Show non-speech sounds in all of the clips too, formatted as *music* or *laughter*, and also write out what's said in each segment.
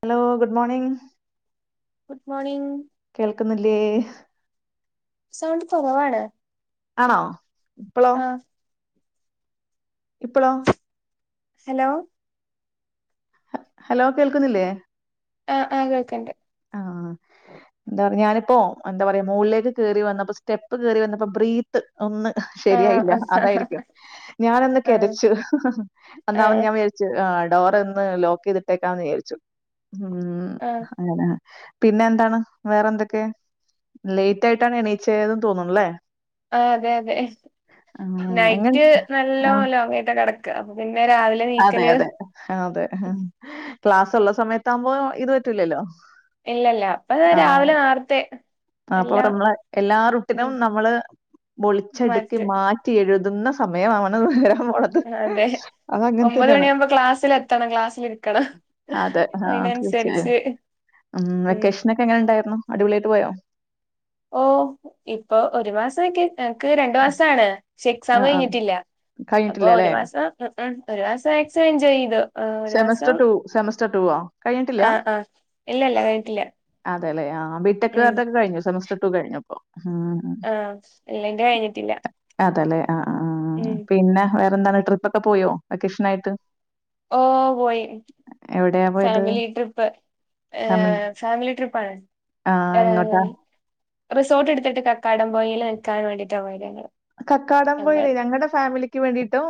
Hello good morning good morning കേൾക്കുന്നില്ലേ sound കുറവാണ് ആണോ ആഹ ഇപ്പോഴോ ഹലോ ഹലോ കേൾക്കുന്നില്ലേ ആ ആ കേൾക്കണ്ട് ആഹ എന്താ പറയ ഞാനിപ്പോ എന്താ പറയാ മുകളിലേക്ക് കേറി വന്നപ്പോ സ്റ്റെപ്പ് കേറി വന്നപ്പോ ബ്രീത്ത് ഒന്ന് ആ ശരിയായില്ല ആ അതായിരിക്കും ഞാനൊന്ന് ആ ആ കിതച്ചു എന്ന ഞാൻ വിചാരിച്ചു ഡോർ ഇന്ന് ലോക്ക് ചെയ്തിട്ടേക്കാം എന്ന് വിചാരിച്ചു ഉം ആ അങ്ങനെ പിന്നെ എന്താണ് വേറെ എന്തൊക്കെ ലേറ്റ് ആയിട്ടാണ് എണീച്ചതെന്ന് തോന്നണല്ലേ ആ അതെ അതെ എങ്ങനെ നൈറ്റ് നല്ലപോലെ ഉറങ്ങിയിട്ട കിടക്ക അപ്പൊ പിന്നെ രാവിലെ അതെ എണീക്കല് അതെ അതെ ക്ലാസ് ഉള്ള സമയത്ത ആകുമ്പോ ഇത് പറ്റില്ലല്ലോ ഇല്ലില്ല അപ്പൊ രാവിലെ നേരത്തെ അപ്പൊ നമ്മള് എല്ലാ റൂട്ടിനും നമ്മള് പൊളിച്ചടുക്കി മാറ്റ് മാറ്റി എഴുതുന്ന സമയം വരാൻ പോണത് അതെ ഒമ്പത് അതങ്ങനെന്നെയാണ് മണിയാകുമ്പോ ക്ലാസ്സിലെത്തണം ക്ലാസ്സിലിരിക്കണം അതെ ആഹ തീർച്ചയായും അതിനനുസരിച്ച് ഉ ഉം വെക്കേഷൻ ഒക്കെ എങ്ങനെ ഉണ്ടായിരുന്നു അടിപൊളി ആയിട്ടു പോയോ ഓ ഇപ്പൊ ഒരു മാസമൊക്കെ രണ്ടുമാസാണ് പക്ഷെ എക്സാം ആഹ് ആഹ് കഴിഞ്ഞിട്ടില്ല അപ്പൊ ഒരു കഴിഞ്ഞിട്ടില്ലല്ലേ? മാസം ആ ഒരു മാസം മാക്സിമം എൻജോയ് ചെയ്തു ആഹ് ഒരു സെമസ്റ്റർ മാസം സെമസ്റ്റർ ടു ആ കഴിഞ്ഞിട്ടില്ല ആഹ് ആഹ് ഇല്ലല്ല കഴിഞ്ഞിട്ടില്ല ട്ടേലെ ആ ആ ബിടെക് കാരുടെ കഴിഞ്ഞോ സെമെസ് കഴിഞ്ഞപ്പോ ആഹ എല്ലാം കഴിഞ്ഞിട്ടില്ല ആ ആ ഉം പിന്നെ വേറെന്താ ട്രിപ്പ് ഒക്കെ പോയോ വെക്കേഷൻ ആയിട്ട് ഓ പോയി പോയത്? ഫാമിലി ട്രിപ്പ് ഏ ഫാമിലി ഫാമിലി ട്രിപ്പാണ് ആഹ് എങ്ങോട്ടാ? റിസോർട്ട് എടുത്തിട്ട് കക്കാട് പോയിൽ നിൽക്കാൻ വേണ്ടിട്ടാണ് ഞങ്ങള് കക്കാടം പോയില്ലേ ഞങ്ങൾ ഞങ്ങളുടെ ഫാമിലിക്ക് വേണ്ടിട്ടും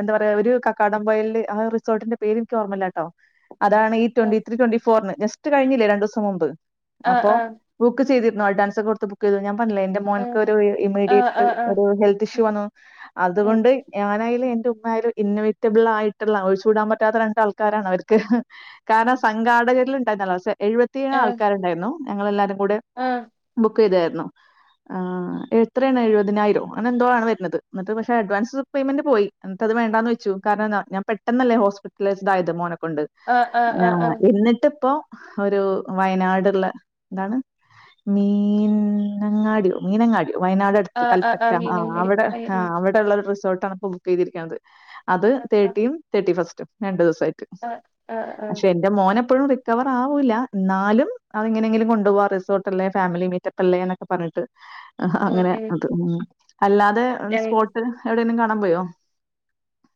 എന്താ പറ ഒരു കക്കാടം പോയീല് ആ റിസോർട്ടിന്റെ പേര് എനിക്ക് ഓർമ്മല്ലാട്ടോ അതാണ് ഉം റ്റൊന്റിത്രീ റ്റൊന്റിഫോറിന് ജസ്റ്റ് കഴിഞ്ഞില്ലേ രണ്ടൂസം മുമ്പ് ആഹ് അപ്പൊ ആഹ് ബുക്ക് ചെയ്തി നോൾഡാൻസർ കൊട്ത്ത് ബുക്ക് ചെയ്തു ഞാൻ എന്റെ ആഹ് മോനക്ക് ഒരു ആഹ് ഇമീഡിയറ്റ് ആഹ് ആഹ് അതോ ഹെൽത്ത് ഇഷ്യൂ ഉം ആന്നോ ഉം അതുകൊണ്ട് ഞാനയില് ഉമ്മായാലും ഇന്നവേറ്റബിൾ ആയിട്ടുള്ള ഒഴിച്ച് കൂടാൻ പറ്റാത്ത രണ്ട് ആൾക്കാരാണ് അവർക്ക് ഉം കാരണം സംഘാടകരിൽ *unintelligible* എഴുപത്തി ഏഴ് ആഹ് ആൾക്കാരുണ്ടായിരുന്നു ഞങ്ങളെല്ലാരും ആഹ് *unintelligible* തെരണം ആ എത്രെണ് എഴുപതിനായിരം തോനെ എന്തോാണ് വരുന്നത് എന്നിട്ട് പക്ഷെ അട്വൻസ് പേമെന്റ് പോയി എന്നിട്ടത് വേണ്ടാന്നു വെച്ചു കാരണംന്താ ഞാൻ പെട്ടെന്നല്ലേ ഹോസ്പിറ്റലൈസ്ഡ ആയത് മോന കൊണ്ട് ആഹ് ആ ആഹ് ആഹ് ആഹ് എന്നിട്ടിപ്പോ ഒരു വയനാടുള്ള എന്താണ് മീനങ്ങാടിയോ മീനങ്ങാടി വയനാട് അടുത്ത് ആഹ് ആഹ് കൽപ്പറ്റ ആഹ് ആ മീനങ്ങാടി അവിടെ ആ ഉം അവിടെ ഉള്ള ഒരു റിസോർട്ട് തണുപ്പ് ബുക്ക് ചെയ്തിരിക്കുന്നത് അത് ഉം ആഹ് തേർട്ടിയും തേർട്ടി ഫസ്റ്റും രണ്ട് ദിവസം ആഹ് ആഹ് ആഹ് പക്ഷെ എന്റെ മോന എപ്പോഴും റിക്കവർ ആവൂല്ല എന്നാലും അത്ങ്ങനെങ്കിലും കൊണ്ടു പോവാ റിസോർട്ടല്ലേ ഫാമിലി മീറ്റപ്പല്ലേ എന്നൊക്കെ പറഞ്ഞിട്ട് ആ ഉം അങ്ങനെ ഉം അത് അല്ലാതെ ഞങ്ങ സ്പോട്ട് ഇന്നും കാണാൻ പോയോ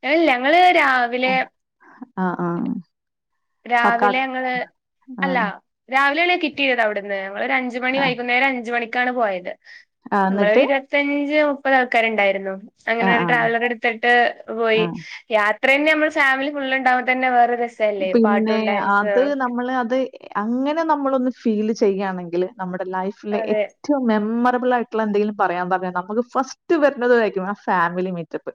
*unintelligible* ഞങ്ങള് രാവിലെ ആഹ് ആഹ് രാവിലെ ഞങ്ങള് അല്ല രാവിലെ കിട്ടിയത് അവിടുന്ന് ഓൾ ഒരു അഞ്ച് മണി ആ വൈകുന്നേരം അഞ്ച മണക്ക് ക്കാണ് പോയത് ആ, *unintelligible* എന്നിട്ട് ഇരുപത്തഞ്ച് ഇപ്പഴാൾക്കാരുണ്ടായിരുന്നു ആ അങ്ങനെ ഒരു ആ ട്രാവലറെടുത്തിട്ട് പോയി ആ യാ ത്രേന്നെ നമ്മള് ഫാമിലി ഫുള്ള് ണ്ടാവുത്തന്നെ വേറോര് സല്ലേ പിന്നെ അത് നമ്മൾ അത് അങ്ങനെ നമ്മളൊന്ന് ഫീല് ചെയ്യണെങ്കില് നമ്മുടെ ലൈഫിലെ അതെ ഏറ്റവും മെമ്മ ലബിളായിട്ടുള്ള എന്തെങ്കിലും പറയാൻ പറഞ്ഞാൽ നമുക്ക് ഫസ്റ്റ് വരുന്നതായിരിക്കും ആ ഫാമിലി മീറ്റപ്പ്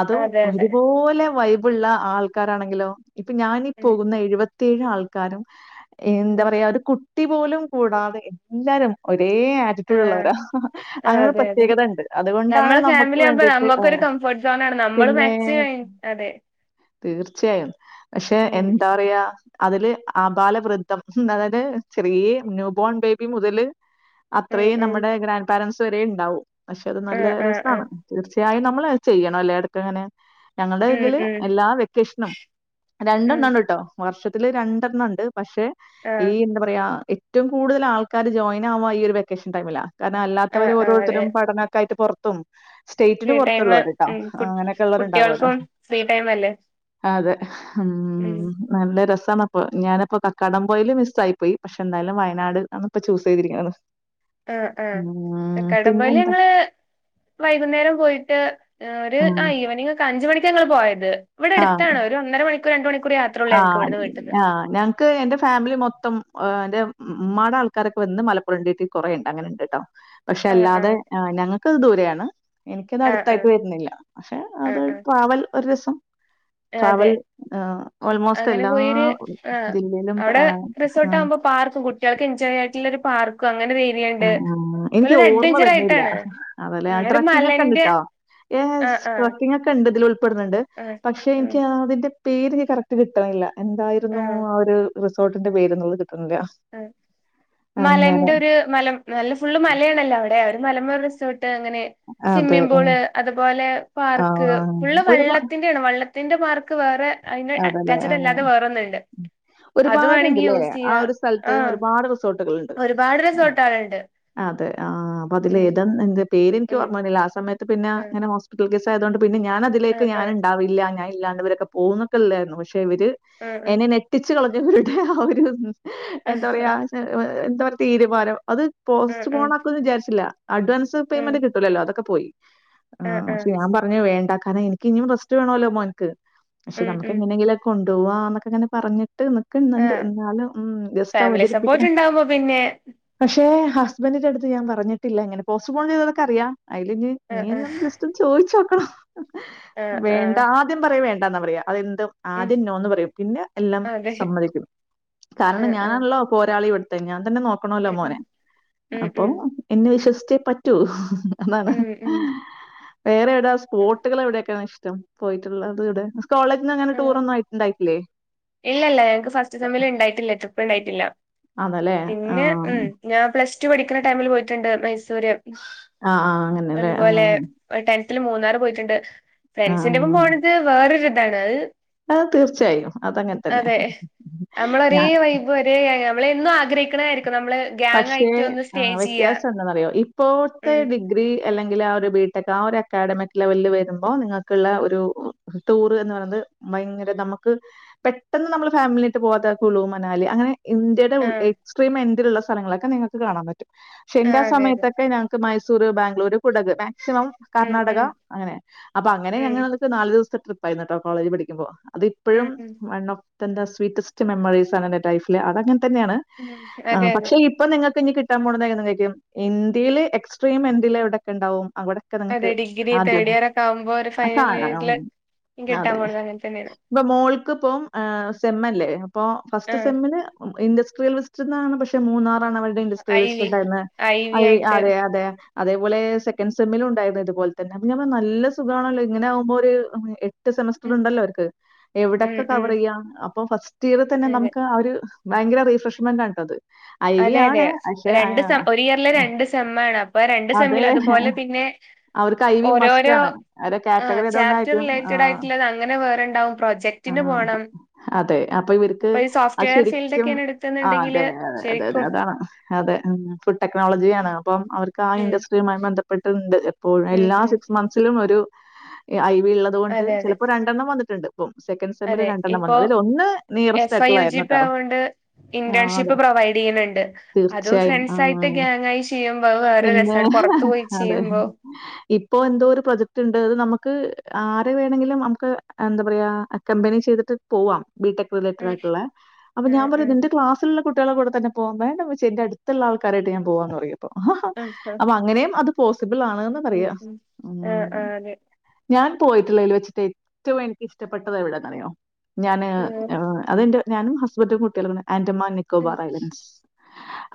അതും അതെ അതെ ഒരുപോലെ വൈബ് ബുള്ള ആൾക്കാരാണെങ്കിലോ ഇപ്പൊ ഞാനി ഉം പോകുന്ന ഉം എഴുപത്തേഴ് ആൾ ക്കാരും എന്താ ഉം പറയാ ഒരു കു ടി പോലും കൂടാതെ എല്ലാരും ഒ ഒരേ ആറ്റിറ്റ്യൂഡ് ആഹ് ഉള്ളവരാ ആഹ് അങ്ങൊരു അതെ അതെ പ്രത്യേകത ഇണ്ട് അതുകൊണ്ടാണ് നമ്മളെ നമ്മുക്ക് ഫാമിലി ആകുമ്പോ വേണ്ടിട്ട് ആ നമ്മക്കൊരു കംഫർട്ട് സോൺ ആണ് നമ്മള് പിന്നെ മാക്സിമം അതെ തീർച്ചയായും പക്ഷെ ഉം എന്താ പറയാ അതില് അബാല വൃദ്ധംഅതായത് ചെറിയ ന്യൂബോൺ ബേബി മുതല് ഉം അത്രയും ഉം നമ്മുടെ ഗ്രാൻഡ് പാരൻസ് തുവരെണ്ടാവൂ പക്ഷെ അത് നല്ല ആഹ് ആഹ് രസമാണ് ആഹ് തീർച്ച ത്യായ നമ്മളത് ചെയ്യണം അല്ലെ അതൊക്കെങ്ങനെ ഞങ്ങടെ ഉം ഇതില് ഉം എല്ലാ വെക്കേഷനും ഉം രണ്ടെണ്ണംണ്ട്ട്ടോ വർഷത്തില് രണ്ടെണ്ണംണ്ട് പക്ഷെ ഈ ആഹ് എന്താ പറയാ ഏറ്റവും കൂടുതൽ ആൾക്കാര് ജോയി ആവുക ഈ ഒരു വെക്കേഷൻ ടൈമില കാരണം ആഹ് അല്ലാത്തവര് ആഹ് അതെ ഓരോരുത്തരും പഠനൊക്കെ ആയിട്ട് പൊറ ത്തും സ്റ്റേറ്റിന് ഫ്രീ ടൈമ് പുറത്തുള്ളവര്ട്ടോ ഉം കു അങ്ങനെയൊക്കെ ഉള്ളവരുണ്ടാവല്ലോ കുട്ടികൾക്കും ഫ്രീ ടൈം അല്ലേ അതെ ഉം നല്ല രസം തണ്പ്പ ഞാനിപ്പോ കക്കടം പോയില് മിസ് ആയി പോയി പക്ഷെ എന്തായാലും വയനാട് ആന്ന് ഇപ്പ ചൂസ് ചെയ്തിരിക്കുന്നത് ആ ആ ഉം കടപല് പിന്നെന്താ? ഞങ്ങള് വൈകുന്നേരം പോയിട്ട് ആ ഒര് ആ ആഹ്. ഈവനിങ് ഒരു അഞ്ച്മണി ത് ഞങ്ങള് പോയത് ഇവിടെ ആ അടുത്താണ് ഒരു ഒന്നര മണിക്കൂർ രണ്ട് മണിക്കൂർ യാത്രയുള്ളൂ ആ ഞങ്ങക്ക് ഇവിടുന്ന് വീട്ടിന്ന് ആ ഞങ്ങക്ക് എന്റെ ഫാമിലി മൊത്തം ആ് എ്ന്റെ ഉ്മാടെ ആൾക്കാരൊക്കെ വന്ന് മലപ്പുറം ഉണ്ടീട്ട് കുറേുണ്ട് അങ്ങനെ ഉണ്ട് കേട്ടോ പക്ഷെ ആഹ് അല്ലാതെ ആഹ് ഞങ്ങക്ക്ത് ദൂരെയാണ് എനിക്കത് ആഹ് അടുത്തായിട്ട് ആഹ് വരുന്നില്ല പക്ഷെ അത് ആഹ് പാവൽ ഒരു രസം ട്രാവൽ അതെ ഏഹ് ഓൾമോസ്റ്റ് അങ്ങനെ എല്ലാ പോയരു ആ ജില്ലയിലും അവിടെ ആഹ് റിസോർട്ട് ആഹ് ആകുമ്പോ പാർക്കും കുട്ടികൾക്ക് എൻജോയ് ആയിട്ടുള്ള ഒരു പാർ ആ എനിക്ക് ഓർമ്മ അഡ്വഞ്ചർ തരുന്നല്ല ആയിട്ടാണ് അലെ ഉം ഒരു ട്രക്കിങ് ഒക്കെ ഉണ്ട് മലന്റെ കേട്ടോ ഏ ആഹ് ആഹ് ട്രക്കിങ് ഒക്കെ ഇണ്ട് ഇതിൽ ഉൾപ്പെടുന്നുണ്ട് ആഹ് പക്ഷെ ആഹ് ക *unintelligible* പേര്നി കറക്റ്റ് കിട്ടണില്ല എന്തായിരുന്നു ആ ഒരു ോട്ടിന്റെ *unintelligible* ആ മലന്റെ ഒരു മലം നല്ല ഫുള് മലയണല്ല *unintelligible* മലമൂർ റിസോട്ട് *unintelligible* അങ്ങനെ സ്മ്മി അതെ. പൂള് അതുപോലെ പാർക്ക് ആഹ്. ഉ വെള്ളത്തിന്റെ ത്തിന്റെ മാർക്ക് വേറെ അതിന്റെ അതല്ലെ ആ അറ്റാച്ച്ഡ് അല്ലാതെ വേറൊന്നുണ്ട് അത് വേണെങ്കി ഒരുപാടുണ്ട്ല്ലേ യൂസ് ആ ചെയ്യാ ഒരു സ്ഥല ആഹ് ഒരുപാ റിസോട്ട് കൾ ണ്ട് ഒരുപാട് റിസോർട്ടാളുണ്ട് അതെ ആ അ ഉം അ പേരെനിക്ക് ഉം ഓമ്മന്നില്ല ആ സമയത്ത് ആഹ് പിന്നെങ്ങനെ ഹോസ്പിറ്റ *unintelligible* *unintelligible* പിന്നെ ഞാനതിലേക്ക് ആഹ് ഞാനൻ ആഹ് ഉണ്ടാവില്ല ഞ ഇല്ലാണ്ടവരൊക്കെ പോകുന്നു *unintelligible* വര് ആഹ് എന്നെ നെട്ടിച്ച *unintelligible* *unintelligible* എന്താ ആഹ് പറയാ *unintelligible* തീരുമാനം അത് ആഹ് പോസ്റ്റ് ആഹ് പോോൺ ആക്കന്ന് വിചാരിച്ചില്ല അഡ്വാസ് ഉം പേ്മെറ് കിട്ടൂല്ലോ അതൊെ പോയി ആ ആഹ് ആഹ് പക്ഷെ ഞാൻ പറഞ്ഞു വേണ്ട കാരണം എനിിക്കിനനിയും റസ്റ്റ് വേണല്ലോ മോ എനിക്ക് പക്ഷ ഉം നമുക്ക് ഉം എങ്ങെിലുംക്കെ ഉണ്ട് കേട്ടോവാ എന്നൊക്കെ അങ്ങനെ പറഞ്ഞട്ട് നിക്കുന്നുണ്ട് ആഹ് എന്നാലും ഉ ഗസ്റ്റ് ഫാമിലി സപ്പോർട്ട് അവതരിപ്പിക്ക ഉണ്ടാവുമ്പോ പിന്നെ പക്ഷേ ഹസ്ബൻറിന്റെ അടുത്ത്ഞാൻ പറഞ്ഞിട്ടില്ല എങ്ങന പോസ് പോൺ ചെയ്തൊക്ക അറിയാം അതില് ഇ ആഹ് ഇന ആഹ് ഞാൻ ജസ്റ്റ് ഒന്ന് ചോദിച്ചോ ആഹ് വേണ്ട ആഹ് ആദ്യം പറയാ വേണ്ടന്നാ പറയാ അതെന്ത് ഉം ആദ്യം നോന്ന് പറയും പിന്നെ എല്ലാം അതെ സമ്മതിക്കും കാരണം ആഹ് ആഹ് ഞാനുള്ള പോരാളിവിടു കഞ്ഞ നോക്കണല്ലോ ഉം മോനെ ഉം അപ്പം ഉം എന്നെ വിശ്വസിച്ചു വിശ്വസിച്ചേ പറ്റൂ അതാണ്. ഉം ഉം വേറെ എവിടെ ഉം സ്പോട്ടുകൾ എവിടെയക്കെ്ട റ്റം പോയിട്ടുള്ളത് ഇവിടെ കോളേജിന്ന് അങ്ങനെ ആ ടൂറൊന്നും ആയിട്ടുണ്ടായിട്ടില്ലേ? ഇല്ലല്ല ഞങ്ങക്ക് ഫസ്റ്റ് സമ്മില് ഉണ്ടായിട്ടില്ല ട്രിപ്പ് ഉണ്ടായിട്ട ഇല്ല അതല്ലേ? പിന്നെ ഉ ആഹ്. ഞാൻ പ്ലസ് റ്റു പഠിക്കുന്ന ടമിൽ പോയിട്ടുണ്ട് മൈസൂര് ആഹ്, ആഹ്. അങ്ങനെയല്ലേ? അതുപോലെ ആഹ്. ത്തിൽ മൂന്നാർ പോയിട്ടുണ്ട് ഫ്രണ്ട്സിന്റെപ്പം പോണത് വേറൊരു അ യ് അ തീർച്ചയായും അതങ്ങനെ തന്നെ ഞൻ എന്നുംആഗ്രഹിക്കരിക്ക പക്ഷേ ആ വ്യത്യാസം എന്താെന്നറിയോ ഇപ്പോഴത്തെ ഉം ഡിഗ്രി അല്ലെങ്കിൽ ആ ഒരു ബിടെക് ആ ഒരു അക്കാഡമിക് ലെവലിൽ വരുമ്പോ നിങ്ങൾക്കുള്ള ഒരു ടൂർ എന്ന് പറയുന്നത് ഭയങ്കര നമുക്ക് പെട്ടെന്ന് നമ്മൾ ഫാമിലിട്ട് പോവാത കുളു മനാലി അങ്ങനെ ഇന്ത്യയുടെ ആഹ് എക്സ്ട്രീം എ ള്ള സ്ഥങ്ങളൊക്കെ നിങ്ങക്ക് കാണൻ പറ്റും പക്ഷെ എന്റൊ ആഹ് അതെ അതെ സമയത്തൊക്കെ ഞങ്ങക്ക് മ സൂ ബംഗ്ലൂർ കുടക് മാക്സിമം ഉം കർണാടക ഉം അങ്ങനെ അപ്പൊ അങ്ങനെ ഉം ഞങ്ങക്ക് നാല് ദിവസത്തെ ട്രിപ്പ പൈതിനെട്ടോ കോളേജ് പഠിക്കുമ്പോ ഉം അതിപ്പോഴും ഉം വ എന്റെ സ്വീറ്റസ്റ്റ് മെമ്മറീസ് ആണ് എന്റെ ലൈഫില് അതങ്ങനെ തന്നാണ് ഉം അതെ പ അതെ ക്ഷെ ഇപ്പൊ നിങ്ങൾക്ക് ഇനി കി *unintelligible* ഇന്ത്യയില് എക്സ്ട്രീം എന്തില് എവിടെക്കെ ഇണ്ടാവും അവിടൊക്കെ അതെ നിങ്ങക്ക് ഡിഗ്രി ആദ്യം തേർഡ് ഇയർ ഒക്കെ ആവുമ്പോ ഒരു ആഹ് ഫൈനൽ കാണണം ഇയറില് കിട്ടാൻ അതെ പോണത് അങ്ങനെ തന്നെയാണ് ഇപ്പ മോൾക്ക് പ്പം സെമ്മല്ലേ അപ്പൊ ഫസ്റ്റ് ആഹ് സെമ്മിന് ഇൻറ *unintelligible* പക്ഷേ കെ മൂന്നാ *unintelligible* ഇണ്ട്രസ്റ്റീൽ ഐ വി വിസിറ്റ്ണ്ടായിനെ ഐ വി ആയിട്ട് അതെ അതെ അതുപോലെ സെക്കൻ സെമ്മിലും ഉണ്ടായിരുന്നു ഇതുപോൽ തന്നെ പ ഞൻ നല്ല സുഖാണല്ലോ ഇങ്ങനെകുമ്പോ ഒര് റ്റ് സെമസ്റ്റർ ഉം ഉണ്ടല്ലോ അവർക്ക് ഉം എവിടെക്കെ ഉം കവർ ചെയ്യാം അപ്പൊ ഫസ്റ്റ് ഇയർ തന്നെ അതെ നമുക്ക് ആഹ് ഒര് ഭയങ്കര റിഫ്രഷ്മെന്റ് ആണ്ടട്ടത് അതെ അതെ രണ്ട് സെം ഒരു ഇയറില് രണ്ട് സെമ്മണ് അപ്പൊ രണ്ട് അതെ. സെമ്മില് അതുപോലെ പിന്നെ അവർക്ക് ഐവി ഓരോരോ മസ്റ്റാണ്. അവരുടെ ആഹ് കാറ്റഗറി ചാപ്റ്റർ അതുകൊണ്ടായിരിക്കും. റിലേറ്റഡ് ആഹ് ആയിട്ട്ള്ളത് അങ്ങനെ വേറെണ്ടാവും പ്രൊജക്റ്റിന് ആഹ്. പോണം അതെ. ഇവർക്ക് അപ്പൊ ഈ അത് സോഫ്റ്റ്വെയർ ഫീൽഡ് ശരിക്കും ഒക്കെയാണ് ആ അതെ, എടുത്തന്ന്ണ്ടെങ്കില് അതെ അതെ അതാണ് അതെ ഫുഡ് ടെക്നോളജിയാണ് അപ്പം അവർക്ക് ആ ഉം ഇഡസ്ട്രിയുമായി ബ ബന്ധപ്പെട്ടത്ണ്ട് അപ്പോഴും ഉം എല്ലാ ഉം സിക്സ് ഉം മന്ത്സിലും ഒരു ആയി വി ഇള്ളത് കൊണ്ട് അതെ അതെ ചിലപ്പോ രണ്ടെണ്ണം വന്നിട്ട്ണ്ട് സെക്കന്റ് സെമ്മിൽ അതെ രണ്ടെണ്ണം ഇപ്പൊ വന്നു അതില് ഒന്ന് nearest F I U G ആയിട്ടുള്ളായിരുന്ന പി കേട്ടോ ആഹ് അതെ യിന്ന്ണ്ട് അതും തീർച്ചയായും. ആ. ഫ്രണ്ട്സായിട്ട് ഗ്യങ്ങായി ചെയ്യുമ്പോത് വേറെ പിന്നെ രസ പൊറത്തു പോയി ചെയ്യുമ്പോ ഇപ്പോ എന്തോ ഒരു പ്രൊജക്ട് ഉണ്ട് അത് നമുക്ക് ആരെ വേണമെങ്കിലും നമുക്ക് എന്താ പറയാ അക്കമ്പനി ചെയ്തിട്ട് പോവാം ബിടെക് റിലേറ്റഡ് ഉം ആയ്ട്ട്ള്ളെ അപ്പൊ ഞാൻ ആഹ് ആഹ് പറയാതിന്റെ ക്ലാസ്ൽള്ള കുട്ട്യാളെ കൂടെ തന്നെ പോവാം വേണ്ട ഇമ്മച്ച്യേ ഇന്റെ അടുത്തുള്ള ആൾക്കാരായ്ട്ട് ഞാൻ പോവാന്ന് പറയും അപ്പം. ആഹ് ആഹ് അപ്പം അത് അങ്ങനെയും പോസിബിൾ ഉം ആണ്ന്ന് ഉം പറയാ ഉം ആഹ് ഊം ആഹ് അതെ ഞാൻ പോയിട്ടുള്ളതിൽ വച്ചിട്ട് ഏറ്റവും എനിക്ക് ഇഷ്ടപ്പെട്ടത് എവിടെന്നറിയോ? ഞാന് ഉം ഏഹ് അത്ൻ്റെ ഞാനും ഹസ്ബൻന്റും കുട്ടിയേളും ഏൻഡമാൻ ഉം ക്കോബർ ഐലൻഡ്സ്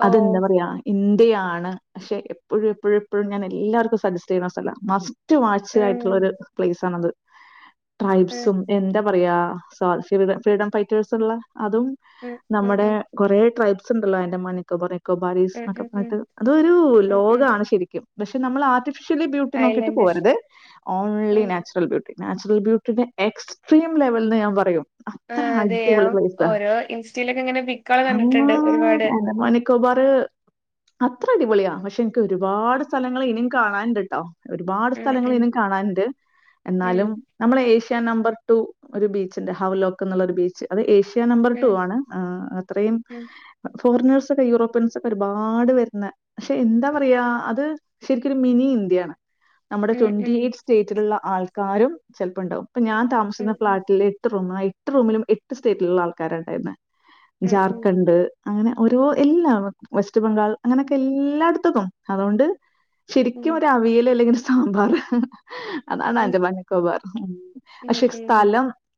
ഓ അത് ന്താ പറയാ ഇൻ ട്ടുള്ളയാണ് പക്ഷെ എപ്പോഴും എപ്പോഴും എപ്പോഴും ഞാൻ എല്ലാർക്കും സഗ്ഗെസ്റ്റ് ചെയ്യണ സ്ഥലവാ മസ്റ്റ് ഉം *inaudible* ഉം ട്രൈബ്സും എന്താ പറയാ ഉം ഉം ഉം *unintelligible* *inaudible* റേ ട്രൈബ്സ് ഉണ്ടല്ലോ അന്റോമാൻ നിക്കോബർ *inaudible* ഉം ഉം ഉം ഉം ഉം പക്ഷെ നമ്മൾ ആദ്യം വിശ്വലി ബ്യൂട്ടി നോക്കിട്ട് ഐലൻഡ് പോകരുത് ഒൺലി ഉം നാച്ചുറൽ ബ്യൂട്ടി നാച്ചുറൽ ബ്യൂട്ടീടെ എക്സ്ട്രീം ലെവൽന്നെ ഞാൻ പറയൂ ആഹ് അതെയോ ഓരോ ഇൻസ്റ്റയിലൊക്കെ ഇങ്ങനെ പിക് ഹമ്മാ എന്റാ *unintelligible* ക്കോബർ അത്ര അടിപൊളിയാ പക്ഷെ എനിക്ക് ഒരുപാട് സ്ഥലങ്ങള് ഇനിം കാണാനുണ്ട്ട്ടോ ഉം ഉം *inaudible* ഉം ക്കാ നമ്പർ ടു ഒരു ബീച്ചില് ഹാവ്ലോക്ക്ന്നൊള്ളൊരു ബീച്ചില് അത് ഏഷ് ഉം *inaudible* അത്രെയും ഉം ഫോറിനേഴ്സൊക്കെ യൂറോപ്യൻസൊക്കെ ഒരുപാട് വരുന്ന പക്ഷെ എന്താന്ന് അറിയോ അത് ശെരിക്കും ഒരു മിനി ഇന്ത്യ ആണ് നമ്മട ഉം ഉം ട്വന്റിഎയ്റ്റ് സ്റ്റേറ്റിലുള്ള ആൾ ക്കാരും ചിലപ്പാണ്ടാവും ഞാൻ ഉം താമസിക്കുന്ന ഉം ഫ്ലാറ്റില് എട്ട് റൂമായി ട്ട് റൂമിലും എട്ട് സ്റ്റേറ്റിലുള്ള ആൾക്കാരാണ്ടാരുന്നേ ഉം ഉം ജാർഖണ്ഡ് ഉം ഒരു എന്നാ വെസ്റ്റ് ബംഗാൾ അങ്ങനെക്കെ എല്ലാടുത്തും പോവാം അതോണ്ട് ശെരിക്കും ഉം ഒരു അവയ്ലമെന്റ്സ് മ്പറ് അതാണ് ഉം അന്റോമാൻ നിക്കോബറ് ഉം പക്ഷെ ഈ ഉം സ്ഥലം *inaudible*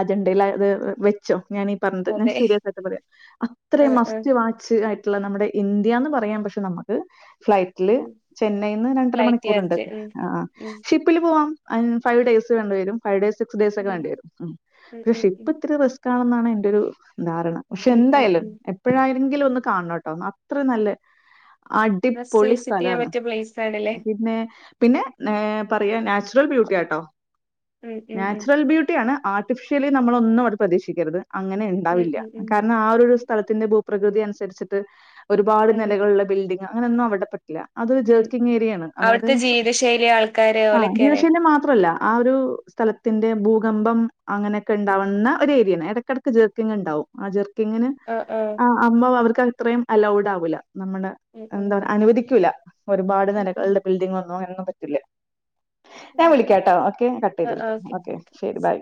അതുണ്ട്ല്ല ഒരു വെച്ചോ ഞാനീ പറഞ്ഞത് അതെ *unintelligible* അത്രെയും ആഹ് ആഹ് മസ്റ്റ് വാച്ച് ആയി ത്തില്ല നമ്മട ഇന്ത്യന്ന് പറയാം പക്ഷെ നമ്മക്ക് ഫ്ലൈറ്റിൽ ഉം ചെന്ന് കഴിഞ്ഞ രണ്ടര ഫ്ലൈറ്റ് മണിക്കൂർ ഉണ്ട് യാത്ര ഉം ആഹ് ഉം ഷിപ്പിൽ പോവാം ഫൈവ് ഡേയ്സ് വണ്ട വര ഫൈവ് ഡേയ്സ് സിക്സ് ഡേയ്സ് ഒക്ക ഉം വേണ്ട വരും ഉം ഉം പക്ഷെ ഉം ഇപ്പ ഇത്ര ക്കാണെന്നാണ് എന്റെറെരു ധാരണ പക്ഷെ ഉം ഉം എന്തായാലും ഉം എപ്പോഴായ എന്തങ്കിലു ഒന്ന് കാണണട്ടോ അത്രി നല്ല- മസ്റ്റ് അടിപൊളി വിസിറ്റ് ചെയ്യാൻ സ്ഥലാണ് പറ്റിയ പ്ലേസ് ആണല്ലേ പിന്നെ പിന്നെ പറയാ നാച്ചുറൽ ബ്യൂട്ടി ആട്ടോ ഉം ഉം ഉം നാച്ചുറൽ ബ്യൂട്ടിയ ആണ് ആ ഓഫ്ശലീ നമ്മളൊന്നും അത്‌ പ്രതീക്ഷിക്കരുത് ഉം ഉം ഉം ഉം *unintelligible* *inaudible* *inaudible* *inaudible* *inaudible* ഉം അവിടുത്തെ *unintelligible* *inaudible* ജീവിതശൈലി ആൾക്കാര് ആ ഓലൊക്കെല്ലേ ഒരു സ്ഥലത്തിന്റെ ഭൂകമ്പം അങ്ങനെയൊക്കെ ഉണ്ടാവുന്ന ഒരു ഏറിയ ഇടക്കടക്ക് ജെർക്കിങ്ങങ് ഉണ്ടാവും ആർ ഇങ്ങനെ ആഹ് ആഹ് ആ അമ്മ അവർക്ക് അത്രയും അലൗഡ് ആവൂല നമ്മടെ എന്താ ഉം പറ അനുവദിക്കൂല ഒരുപാട് ഉം നെലകൾള്ള ബിൽഡിംഗ് വന്നു *unintelligible* പറ്റല്ല ഞാൻ വിളിക്കാംട്ടോ ഓക്കെ കട്ട് ചെയ്ത് ആഹ് ആഹ് വിളിക്കാം ഓക്കെ ശരി ബൈ